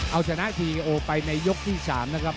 เอาชนะทีโอไปในยกที่๓นะครับ